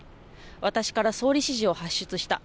私から総理指示を発出した。